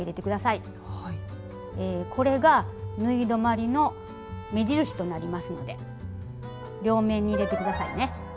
これが縫い止まりの目印となりますので両面に入れて下さいね。